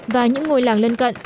và những ngôi làng lân cận